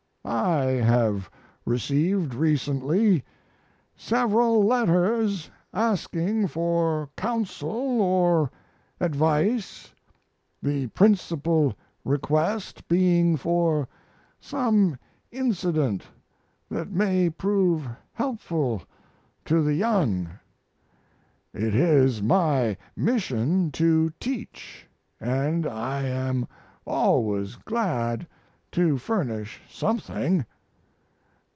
I have received recently several letters asking for counsel or advice, the principal request being for some incident that may prove helpful to the young. It is my mission to teach, and I am always glad to furnish something.